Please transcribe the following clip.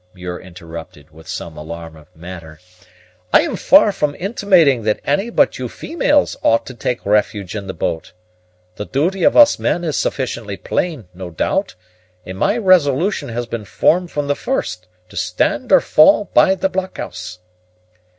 Muir interrupted, with some alarm of manner; "I am far from intimating that any but you females ought to take refuge in the boat. The duty of us men is sufficiently plain, no doubt, and my resolution has been formed from the first to stand or fall by the blockhouse."